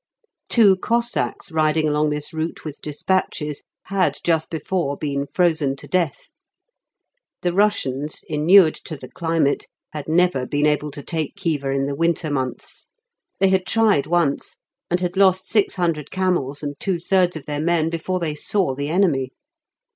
Two Cossacks riding along this route with despatches had just before been frozen to death. The Russians, inured to the climate, had never been able to take Khiva in the winter months. They had tried once, and had lost six hundred camels and two thirds of their men before they saw the enemy.